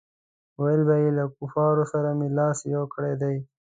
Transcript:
ویل به یې له کفارو سره مې لاس یو کړی دی.